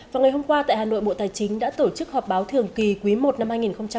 vào ngày hôm qua tại hà nội bộ tài chính đã tổ chức họp báo thường kỳ quý i năm hai nghìn hai mươi